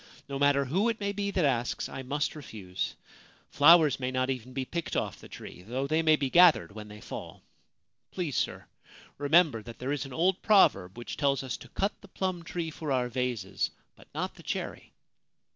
No matter who it may be that asks, I must refuse. Flowers may not even be picked off the tree, though they may be gathered when they fall. Please, sir, remember 3°3 Ancient Tales and Folklore of Japan that there is an old proverb which tells us to cut the plum tree for our vases, but not the cherry